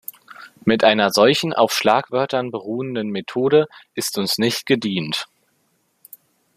Mit einer solchen auf Schlagwörtern beruhenden Methode ist uns nicht gedient.